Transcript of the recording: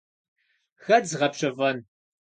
Хэт згъэпщэфӀэн?